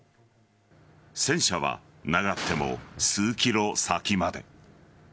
戦車は、長くても数ｋｍ先まで。